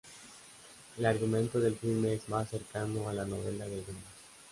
El argumento del filme es más cercano a la novela de Dumas.